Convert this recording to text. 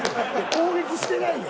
攻撃してないやん。